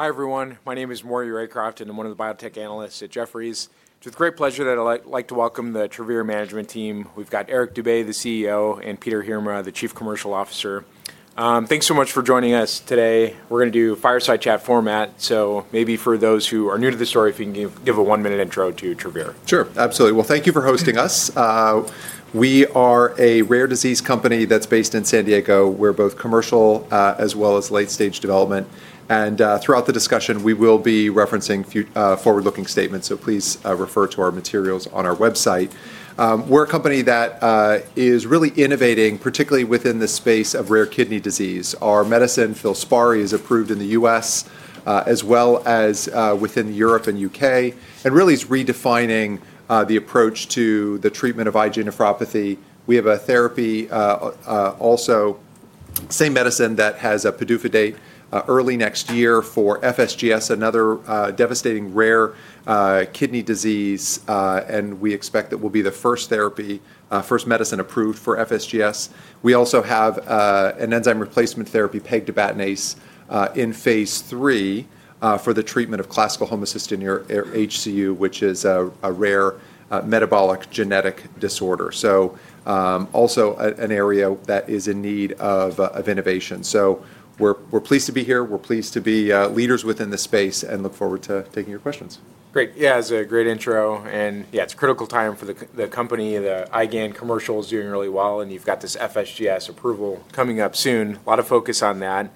Hi everyone, my name is Maury Raycroft, and I'm one of the biotech analysts at Jefferies. It's with great pleasure that I'd like to welcome the Travere management team. We've got Eric Dube, the CEO, and Peter Heerma, the Chief Commercial Officer. Thanks so much for joining us today. We're going to do fireside chat format, so maybe for those who are new to the story, if you can give a one-minute intro to Travere. Sure, absolutely. Thank you for hosting us. We are a rare disease company that's based in San Diego. We're both commercial as well as late-stage development. Throughout the discussion, we will be referencing forward-looking statements, so please refer to our materials on our website. We're a company that is really innovating, particularly within the space of rare kidney disease. Our medicine, FILSPARI, is approved in the U.S. as well as within Europe and the U.K., and really is redefining the approach to the treatment of IgA nephropathy. We have a therapy, also same medicine, that has a PDUFA date early next year for FSGS, another devastating rare kidney disease, and we expect that we'll be the first therapy, first medicine approved for FSGS. We also have an enzyme replacement therapy, pegtibatinase in phase III for the treatment of classical homocystinuria or HCU, which is a rare metabolic genetic disorder. Also an area that is in need of innovation. We're pleased to be here. We're pleased to be leaders within the space and look forward to taking your questions. Great. Yeah, that was a great intro. Yeah, it's a critical time for the company. The FILSPARI commercial is doing really well, and you've got this FSGS approval coming up soon. A lot of focus on that.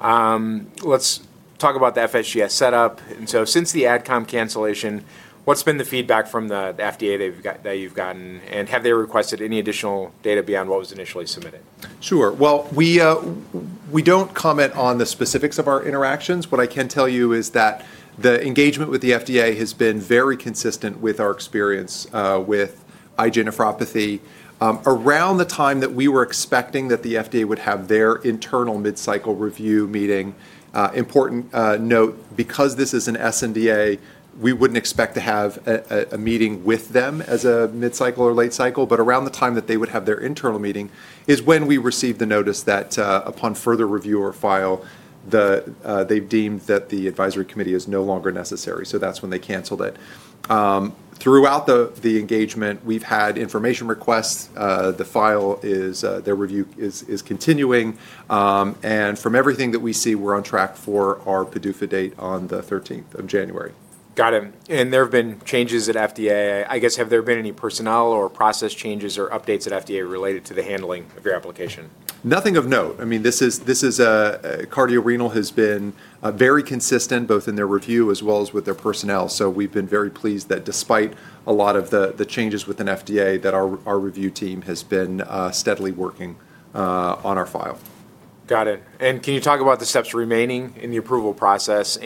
Let's talk about the FSGS setup. Since the AdCom cancellation, what's been the feedback from the FDA that you've gotten, and have they requested any additional data beyond what was initially submitted? Sure. We don't comment on the specifics of our interactions. What I can tell you is that the engagement with the FDA has been very consistent with our experience with IgA nephropathy. Around the time that we were expecting that the FDA would have their internal mid-cycle review meeting, important note, because this is an SNDA, we wouldn't expect to have a meeting with them as a mid-cycle or late-cycle. Around the time that they would have their internal meeting is when we received the notice that upon further review of our file, they deemed that the advisory committee is no longer necessary. That's when they canceled it. Throughout the engagement, we've had information requests. The file is, their review is continuing. From everything that we see, we're on track for our PDUFA date on the 13th of January. Got it. There have been changes at FDA. I guess, have there been any personnel or process changes or updates at FDA related to the handling of your application? Nothing of note. I mean, this is, cardiorenal has been very consistent both in their review as well as with their personnel. So we've been very pleased that despite a lot of the changes within FDA, that our review team has been steadily working on our file. Got it. Can you talk about the steps remaining in the approval process?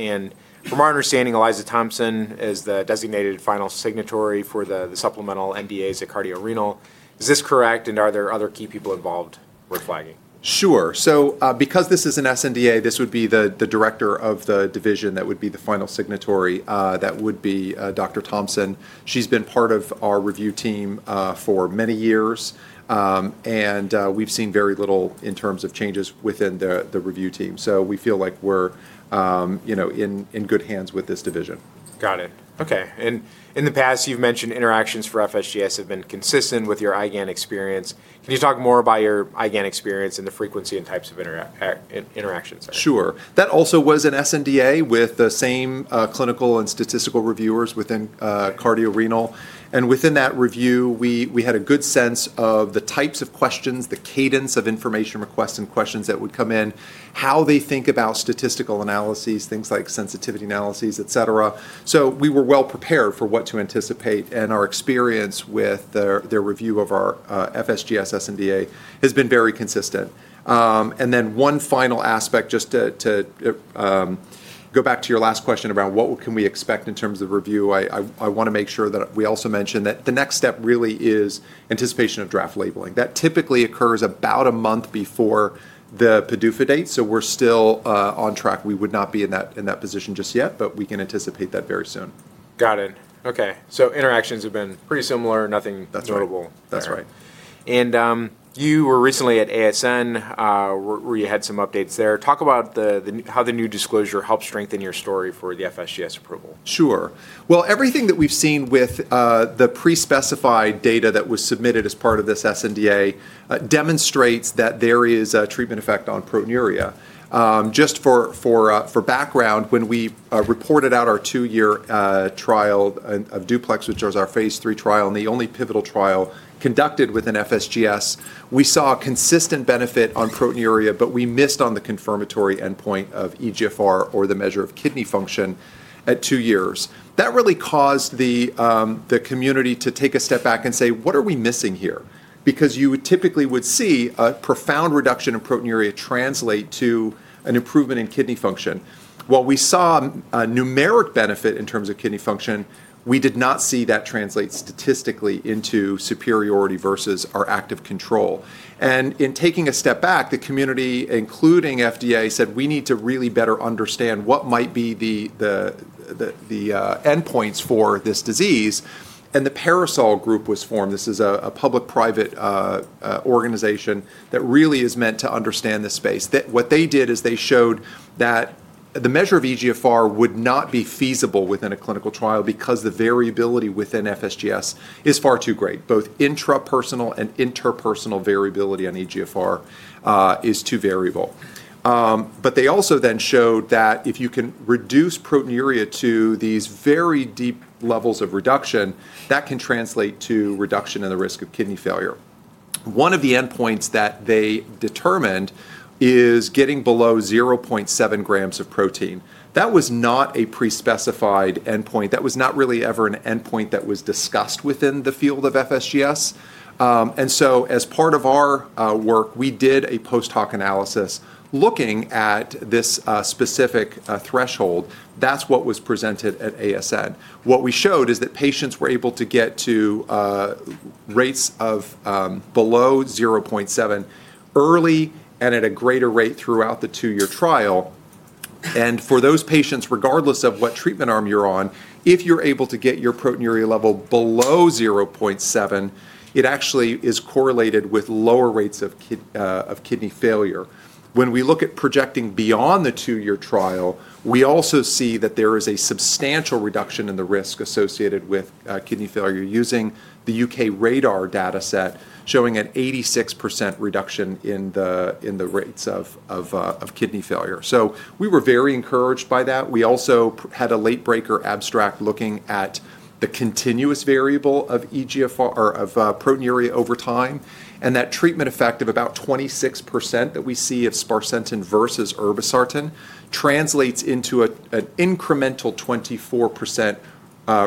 From our understanding, Aliza Thompson is the designated final signatory for the supplemental NDAs at cardiorenal. Is this correct? Are there other key people involved worth flagging? Sure. So because this is an SNDA, this would be the Director of the division that would be the final signatory. That would be Dr. Thompson. She's been part of our review team for many years, and we've seen very little in terms of changes within the review team. So we feel like we're in good hands with this division. Got it. Okay. In the past, you've mentioned interactions for FSGS have been consistent with your IgA experience. Can you talk more about your IgA experience and the frequency and types of interactions? Sure. That also was an SNDA with the same clinical and statistical reviewers within cardiorenal. In that review, we had a good sense of the types of questions, the cadence of information requests and questions that would come in, how they think about statistical analyses, things like sensitivity analyses, et cetera. We were well prepared for what to anticipate. Our experience with their review of our FSGS SNDA has been very consistent. One final aspect, just to go back to your last question about what can we expect in terms of review, I want to make sure that we also mention that the next step really is anticipation of draft labeling. That typically occurs about a month before the PDUFA date. We are still on track. We would not be in that position just yet, but we can anticipate that very soon. Got it. Okay. So interactions have been pretty similar. Nothing notable. That's right. You were recently at ASN where you had some updates there. Talk about how the new disclosure helped strengthen your story for the FSGS approval. Sure. Everything that we've seen with the pre-specified data that was submitted as part of this SNDA demonstrates that there is a treatment effect on proteinuria. Just for background, when we reported out our two-year trial of DUPLEX, which was our phase III trial and the only pivotal trial conducted with an FSGS, we saw a consistent benefit on proteinuria, but we missed on the confirmatory endpoint of eGFR or the measure of kidney function at two years. That really caused the community to take a step back and say, "What are we missing here?" because you typically would see a profound reduction in proteinuria translate to an improvement in kidney function. While we saw a numeric benefit in terms of kidney function, we did not see that translate statistically into superiority versus our active control. In taking a step back, the community, including FDA, said, "We need to really better understand what might be the endpoints for this disease." The Parasol Group was formed. This is a public-private organization that really is meant to understand this space. What they did is they showed that the measure of eGFR would not be feasible within a clinical trial because the variability within FSGS is far too great. Both intrapersonal and interpersonal variability on eGFR is too variable. They also then showed that if you can reduce proteinuria to these very deep levels of reduction, that can translate to reduction in the risk of kidney failure. One of the endpoints that they determined is getting below 0.7 grams of protein. That was not a pre-specified endpoint. That was not really ever an endpoint that was discussed within the field of FSGS. As part of our work, we did a post-hoc analysis looking at this specific threshold. That is what was presented at ASN. What we showed is that patients were able to get to rates of below 0.7 early and at a greater rate throughout the two-year trial. For those patients, regardless of what treatment arm you are on, if you are able to get your proteinuria level below 0.7, it actually is correlated with lower rates of kidney failure. When we look at projecting beyond the two-year trial, we also see that there is a substantial reduction in the risk associated with kidney failure using the U.K. RaDaR dataset showing an 86% reduction in the rates of kidney failure. We were very encouraged by that. We also had a late-breaker abstract looking at the continuous variable of eGFR or of proteinuria over time, and that treatment effect of about 26% that we see of sparsentan versus irbesartan translates into an incremental 24%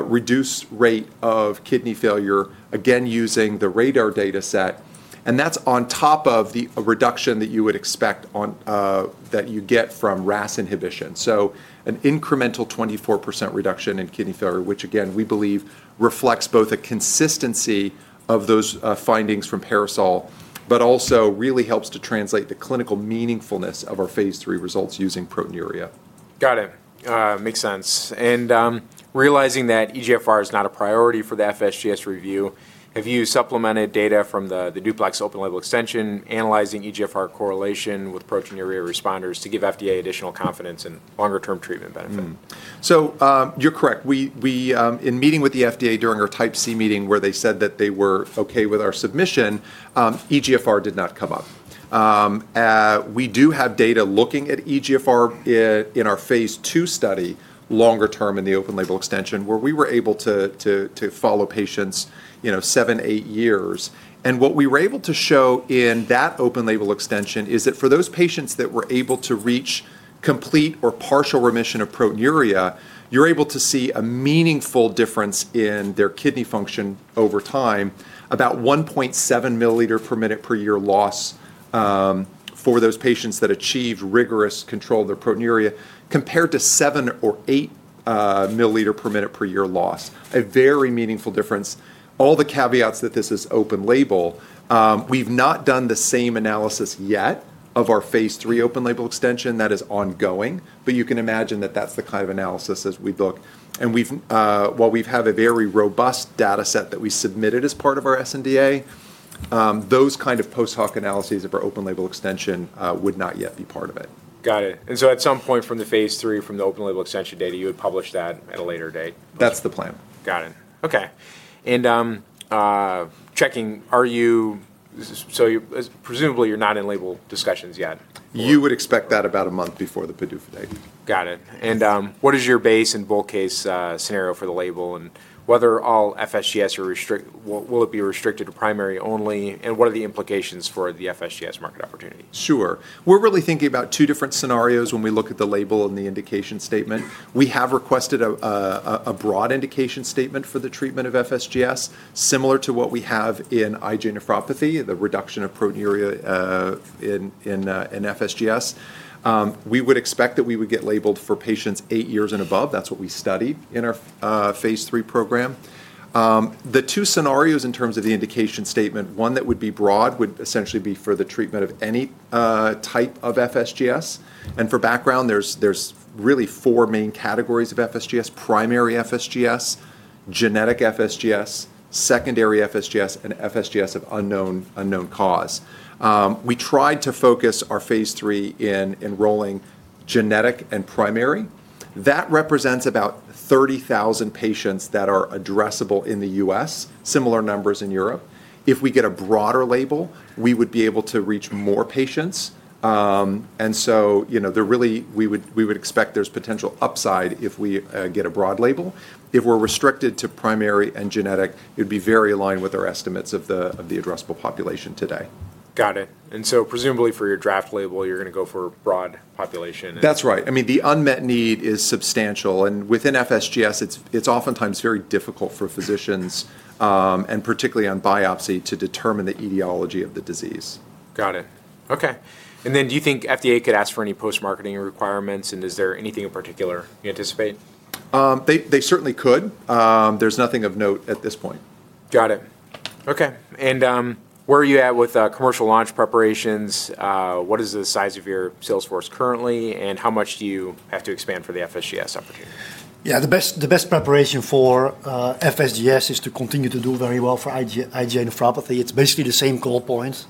reduced rate of kidney failure, again using the RaDaR dataset. That is on top of the reduction that you would expect that you get from RAS inhibition. An incremental 24% reduction in kidney failure, which again, we believe reflects both a consistency of those findings from PARASOL, but also really helps to translate the clinical meaningfulness of our phase III results using proteinuria. Got it. Makes sense. Realizing that eGFR is not a priority for the FSGS review, have you supplemented data from the DUPLEX open-label extension analyzing eGFR correlation with proteinuria responders to give FDA additional confidence in longer-term treatment benefit? You're correct. In meeting with the FDA during our type C meeting where they said that they were okay with our submission, eGFR did not come up. We do have data looking at eGFR in our phase II study longer term in the open-label extension where we were able to follow patients seven, eight years. What we were able to show in that open-label extension is that for those patients that were able to reach complete or partial remission of proteinuria, you're able to see a meaningful difference in their kidney function over time, about 1.7 mL per minute per year loss for those patients that achieved rigorous control of their proteinuria compared to 7 or 8 mL per minute per year loss. A very meaningful difference. All the caveats that this is open label, we've not done the same analysis yet of our phase III open-label extension. That is ongoing. You can imagine that that's the kind of analysis as we look. While we've had a very robust dataset that we submitted as part of our SNDA, those kind of post-hoc analyses of our open-label extension would not yet be part of it. Got it. At some point from the phase III, from the open-label extension data, you would publish that at a later date? That's the plan. Got it. Okay. And checking, are you, so presumably you're not in label discussions yet? You would expect that about a month before the PDUFA date. Got it. What is your base and bulk case scenario for the label and whether all FSGS, or will it be restricted to primary only, and what are the implications for the FSGS market opportunity? Sure. We're really thinking about two different scenarios when we look at the label and the indication statement. We have requested a broad indication statement for the treatment of FSGS similar to what we have in IgA nephropathy, the reduction of proteinuria in FSGS. We would expect that we would get labeled for patients eight years and above. That's what we study in our phase III program. The two scenarios in terms of the indication statement, one that would be broad would essentially be for the treatment of any type of FSGS. For background, there's really four main categories of FSGS: primary FSGS, genetic FSGS, secondary FSGS, and FSGS of unknown cause. We tried to focus our phase III in enrolling genetic and primary. That represents about 30,000 patients that are addressable in the U.S., similar numbers in Europe. If we get a broader label, we would be able to reach more patients. There really, we would expect there's potential upside if we get a broad label. If we're restricted to primary and genetic, it would be very aligned with our estimates of the addressable population today. Got it. Presumably for your draft label, you're going to go for broad population? That's right. I mean, the unmet need is substantial. Within FSGS, it's oftentimes very difficult for physicians, and particularly on biopsy, to determine the etiology of the disease. Got it. Okay. Do you think FDA could ask for any post-marketing requirements, and is there anything in particular you anticipate? They certainly could. There's nothing of note at this point. Got it. Okay. Where are you at with commercial launch preparations? What is the size of your sales force currently, and how much do you have to expand for the FSGS opportunity? Yeah, the best preparation for FSGS is to continue to do very well for IgA nephropathy. It's basically the same goal points.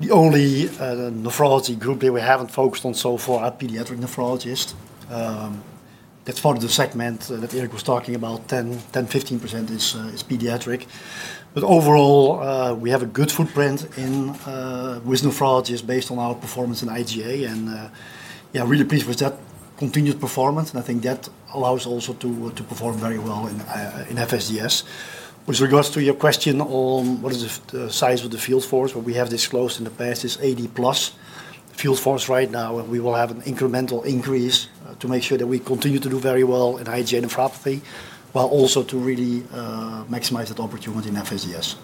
The only nephrology group that we haven't focused on so far are pediatric nephrologists. That's part of the segment that Eric was talking about, 10%-15% is pediatric. Overall, we have a good footprint with nephrologists based on our performance in IgA. Yeah, really pleased with that continued performance. I think that allows also to perform very well in FSGS. With regards to your question on what is the size of the field force, what we have disclosed in the past is 80-plus field force right now, and we will have an incremental increase to make sure that we continue to do very well in IgA nephropathy while also to really maximize that opportunity in FSGS.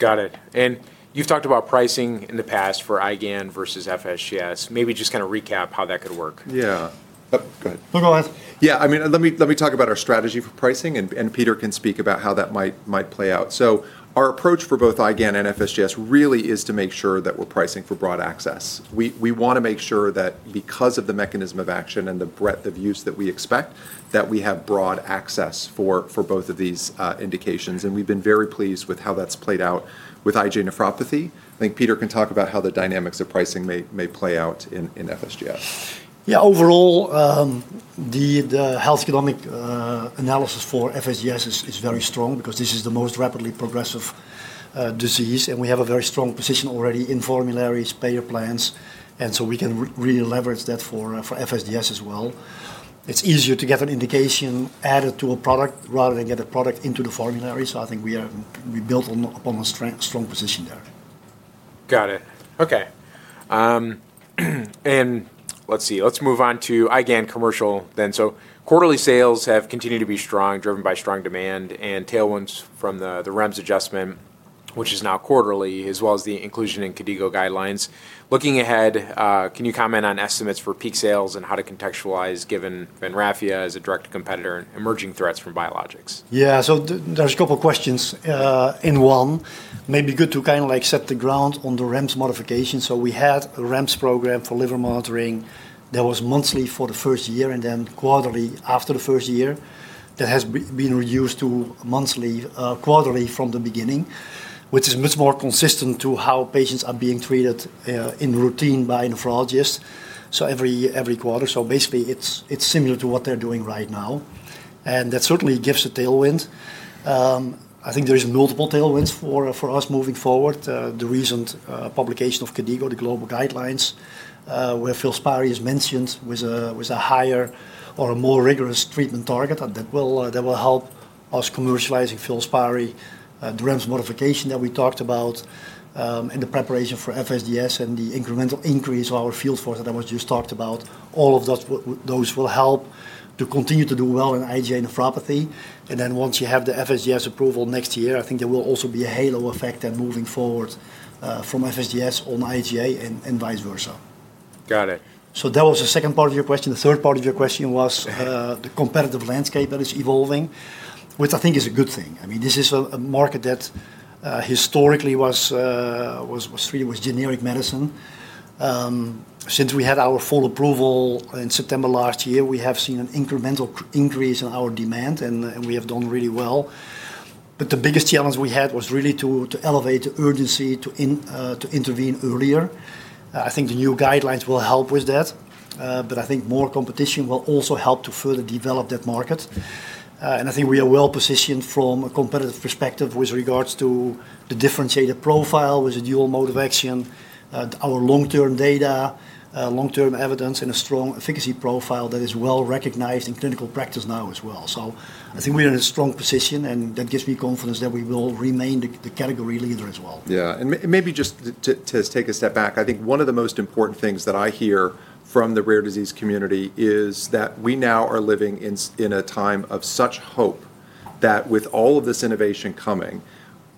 Got it. You have talked about pricing in the past for IgA nephropathy versus FSGS. Maybe just kind of recap how that could work. Yeah. Go ahead. No, go ahead. Yeah, I mean, let me talk about our strategy for pricing, and Peter can speak about how that might play out. Our approach for both IgA and FSGS really is to make sure that we're pricing for broad access. We want to make sure that because of the mechanism of action and the breadth of use that we expect, that we have broad access for both of these indications. We've been very pleased with how that's played out with IgA nephropathy. I think Peter can talk about how the dynamics of pricing may play out in FSGS. Yeah, overall, the health economic analysis for FSGS is very strong because this is the most rapidly progressive disease, and we have a very strong position already in formularies, payer plans, and so we can really leverage that for FSGS as well. It's easier to get an indication added to a product rather than get a product into the formulary. I think we built upon a strong position there. Got it. Okay. Let's see. Let's move on to FILSPARI commercial then. Quarterly sales have continued to be strong, driven by strong demand, and tailwinds from the REMS adjustment, which is now quarterly, as well as the inclusion in KDIGO guidelines. Looking ahead, can you comment on estimates for peak sales and how to contextualize given atrasentan as a direct competitor and emerging threats from biologics? Yeah, so there's a couple of questions in one. Maybe good to kind of like set the ground on the REMS modification. We had a REMS program for liver monitoring that was monthly for the first year and then quarterly after the first year. That has been reduced to quarterly from the beginning, which is much more consistent to how patients are being treated in routine by nephrologists. Every quarter. Basically, it's similar to what they're doing right now. That certainly gives a tailwind. I think there are multiple tailwinds for us moving forward. The recent publication of KDIGO, the global guidelines, where FILSPARI is mentioned with a higher or a more rigorous treatment target, that will help us commercializing FILSPARI, the REMS modification that we talked about, and the preparation for FSGS and the incremental increase of our field force that I just talked about. All of those will help to continue to do well in IgA nephropathy. And then once you have the FSGS approval next year, I think there will also be a halo effect then moving forward from FSGS on IgA and vice versa. Got it. That was the second part of your question. The third part of your question was the competitive landscape that is evolving, which I think is a good thing. I mean, this is a market that historically was treated with generic medicine. Since we had our full approval in September last year, we have seen an incremental increase in our demand, and we have done really well. The biggest challenge we had was really to elevate the urgency to intervene earlier. I think the new guidelines will help with that, but I think more competition will also help to further develop that market. I think we are well positioned from a competitive perspective with regards to the differentiated profile with the dual mode of action, our long-term data, long-term evidence, and a strong efficacy profile that is well recognized in clinical practice now as well. I think we are in a strong position, and that gives me confidence that we will remain the category leader as well. Yeah. Maybe just to take a step back, I think one of the most important things that I hear from the rare disease community is that we now are living in a time of such hope that with all of this innovation coming,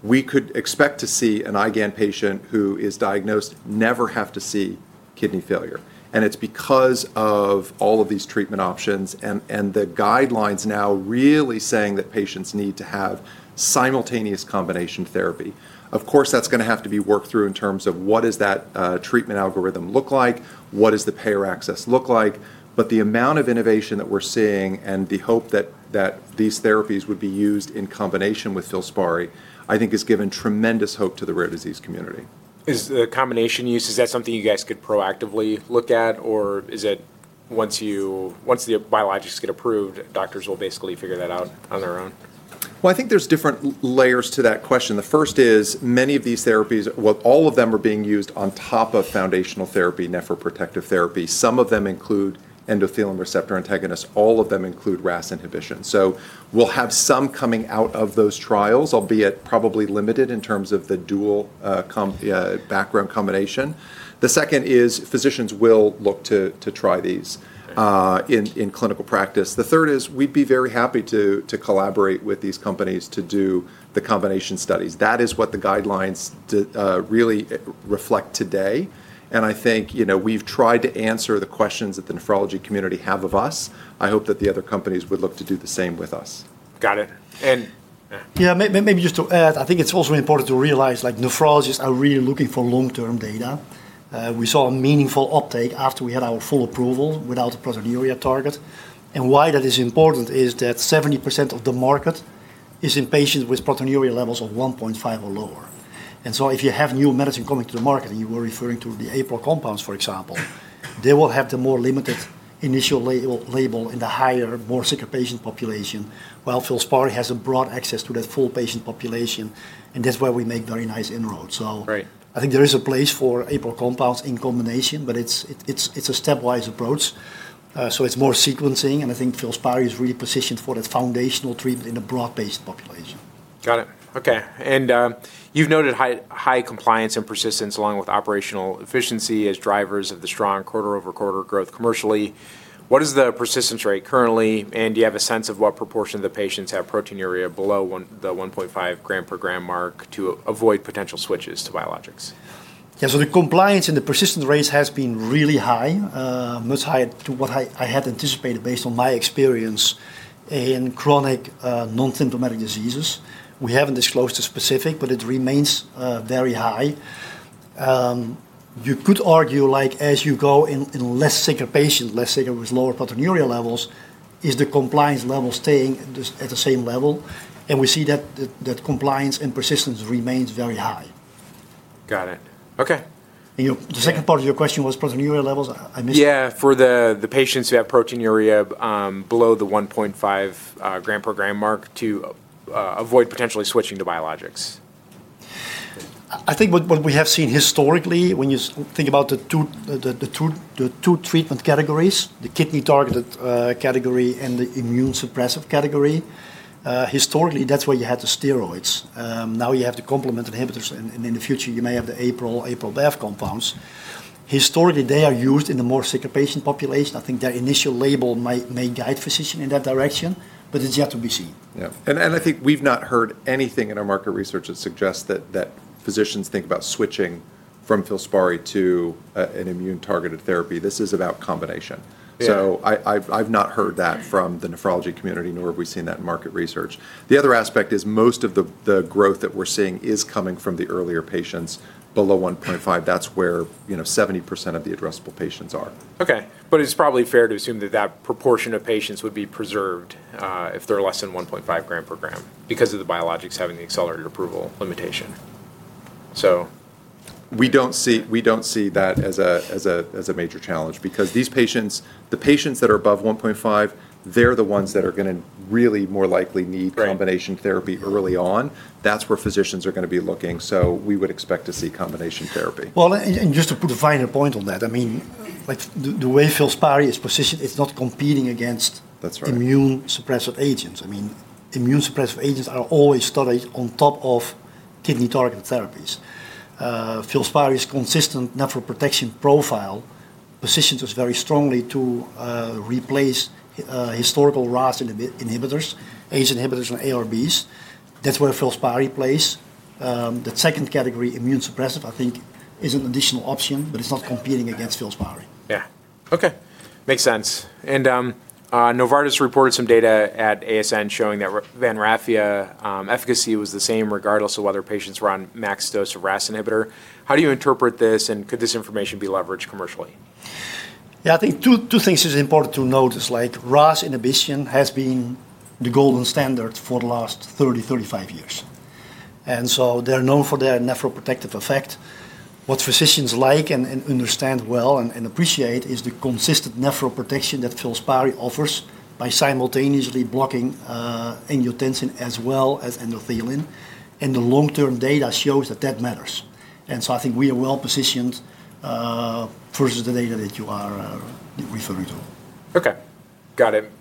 we could expect to see an IgA nephropathy patient who is diagnosed never have to see kidney failure. It is because of all of these treatment options and the guidelines now really saying that patients need to have simultaneous combination therapy. Of course, that is going to have to be worked through in terms of what does that treatment algorithm look like, what does the payer access look like. The amount of innovation that we are seeing and the hope that these therapies would be used in combination with FILSPARI, I think has given tremendous hope to the rare disease community. Is the combination use, is that something you guys could proactively look at, or is it once the biologics get approved, doctors will basically figure that out on their own? I think there's different layers to that question. The first is many of these therapies, well, all of them are being used on top of foundational therapy, nephroprotective therapy. Some of them include endothelin receptor antagonists. All of them include RAS inhibition. We'll have some coming out of those trials, albeit probably limited in terms of the dual background combination. The second is physicians will look to try these in clinical practice. The third is we'd be very happy to collaborate with these companies to do the combination studies. That is what the guidelines really reflect today. I think we've tried to answer the questions that the nephrology community have of us. I hope that the other companies would look to do the same with us. Got it. Yeah, maybe just to add, I think it's also important to realize nephrologists are really looking for long-term data. We saw a meaningful uptake after we had our full approval without the proteinuria target. Why that is important is that 70% of the market is in patients with proteinuria levels of 1.5 or lower. If you have new medicine coming to the market and you were referring to the APOL1 compounds, for example, they will have the more limited initial label in the higher, more sicker patient population, while FILSPARI has broad access to that full patient population. That is where we make very nice inroads. I think there is a place for APOL1 compounds in combination, but it's a stepwise approach. It's more sequencing, and I think FILSPARI is really positioned for that foundational treatment in a broad-based population. Got it. Okay. You have noted high compliance and persistence along with operational efficiency as drivers of the strong quarter-over-quarter growth commercially. What is the persistence rate currently, and do you have a sense of what proportion of the patients have proteinuria below the 1.5 gram per gram mark to avoid potential switches to biologics? Yeah, so the compliance and the persistence rates have been really high, much higher to what I had anticipated based on my experience in chronic non-symptomatic diseases. We haven't disclosed the specific, but it remains very high. You could argue as you go in less sicker patients, less sicker with lower proteinuria levels, is the compliance level staying at the same level? We see that compliance and persistence remains very high. Got it. Okay. The second part of your question was proteinuria levels. I missed it. Yeah, for the patients who have proteinuria below the 1.5 gram per gram mark to avoid potentially switching to biologics. I think what we have seen historically, when you think about the two treatment categories, the kidney targeted category and the immune suppressive category, historically, that's where you had the steroids. Now you have the complement inhibitors, and in the future, you may have the APOL1, APOL1, BAF compounds. Historically, they are used in the more sicker patient population. I think their initial label may guide physicians in that direction, but it's yet to be seen. Yeah. I think we've not heard anything in our market research that suggests that physicians think about switching from FILSPARI to an immune targeted therapy. This is about combination. I've not heard that from the nephrology community, nor have we seen that in market research. The other aspect is most of the growth that we're seeing is coming from the earlier patients below 1.5. That's where 70% of the addressable patients are. Okay. It's probably fair to assume that that proportion of patients would be preserved if they're less than 1.5 gram per gram because of the biologics having the accelerated approval limitation. We don't see that as a major challenge because these patients, the patients that are above 1.5, they're the ones that are going to really more likely need combination therapy early on. That's where physicians are going to be looking. We would expect to see combination therapy. Just to put a finer point on that, I mean, the way FILSPARI is positioned, it's not competing against immune suppressive agents. I mean, immune suppressive agents are always studied on top of kidney targeted therapies. FILSPARI's consistent nephroprotection profile positions us very strongly to replace historical RAS inhibitors, ACE inhibitors, and ARBs. That's where FILSPARI plays. The second category, immune suppressive, I think is an additional option, but it's not competing against FILSPARI. Yeah. Okay. Makes sense. Novartis reported some data at ASN showing that Benraphia efficacy was the same regardless of whether patients were on max dose of RAS inhibitor. How do you interpret this, and could this information be leveraged commercially? Yeah, I think two things are important to notice. RAS inhibition has been the golden standard for the last 30-35 years. They are known for their nephroprotective effect. What physicians like and understand well and appreciate is the consistent nephroprotection that FILSPARI offers by simultaneously blocking angiotensin as well as endothelin. The long-term data shows that that matters. I think we are well positioned versus the data that you are referring to. Okay. Got it.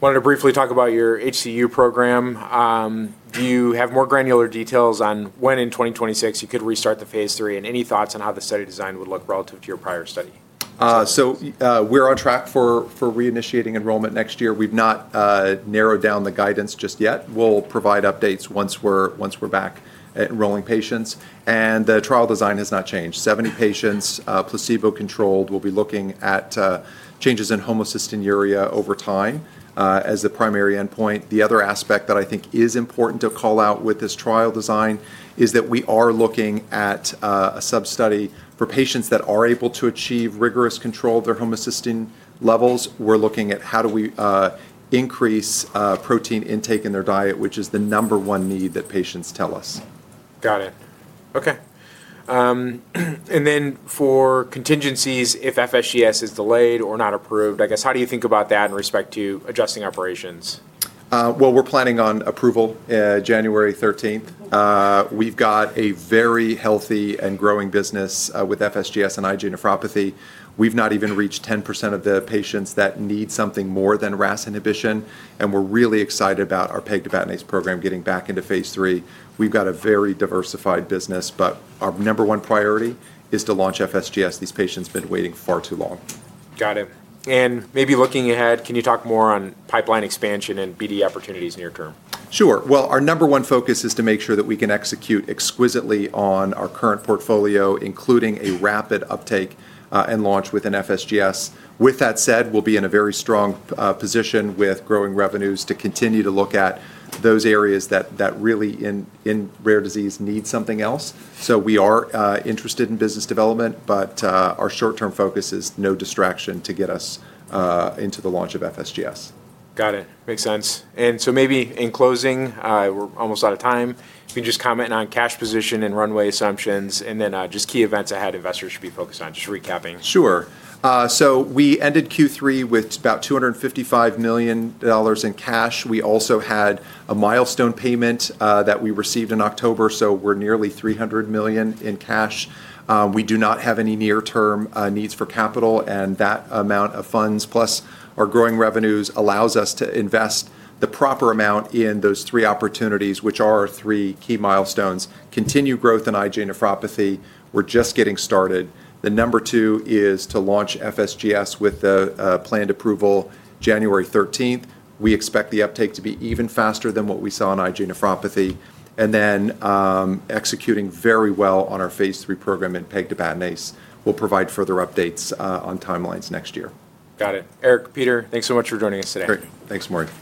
I wanted to briefly talk about your HCU program. Do you have more granular details on when in 2026 you could restart the phase III and any thoughts on how the study design would look relative to your prior study? We're on track for reinitiating enrollment next year. We've not narrowed down the guidance just yet. We'll provide updates once we're back enrolling patients. The trial design has not changed. Seventy patients, placebo-controlled, we'll be looking at changes in homocystinuria over time as the primary endpoint. The other aspect that I think is important to call out with this trial design is that we are looking at a sub-study for patients that are able to achieve rigorous control of their homocystine levels. We're looking at how do we increase protein intake in their diet, which is the number one need that patients tell us. Got it. Okay. For contingencies, if FSGS is delayed or not approved, I guess, how do you think about that in respect to adjusting operations? We are planning on approval January 13th. We have a very healthy and growing business with FSGS and IgA nephropathy. We have not even reached 10% of the patients that need something more than RAS inhibition. We are really excited about our pegtibatinase program getting back into phase III. We have a very diversified business, but our number one priority is to launch FSGS. These patients have been waiting far too long. Got it. Maybe looking ahead, can you talk more on pipeline expansion and BD opportunities near term? Sure. Our number one focus is to make sure that we can execute exquisitely on our current portfolio, including a rapid uptake and launch within FSGS. With that said, we will be in a very strong position with growing revenues to continue to look at those areas that really in rare disease need something else. We are interested in business development, but our short-term focus is no distraction to get us into the launch of FSGS. Got it. Makes sense. Maybe in closing, we're almost out of time. If you can just comment on cash position and runway assumptions and then just key events ahead investors should be focused on, just recapping. Sure. We ended Q3 with about $255 million in cash. We also had a milestone payment that we received in October. We're nearly $300 million in cash. We do not have any near-term needs for capital, and that amount of funds plus our growing revenues allows us to invest the proper amount in those three opportunities, which are our three key milestones: continue growth in IgA nephropathy. We're just getting started. The number two is to launch FSGS with the planned approval January 13th. We expect the uptake to be even faster than what we saw in IgA nephropathy. Then executing very well on our phase III program in pegtibatinase. We'll provide further updates on timelines next year. Got it. Eric, Peter, thanks so much for joining us today. Great. Thanks, Maury.